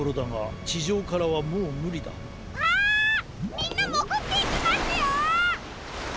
みんなもぐっていきますよ！